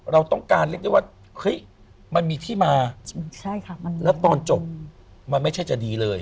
เราต้องการเรียกได้ว่าเฮ้ยมันมีที่มาแล้วตอนจบมันไม่ใช่จะดีเลย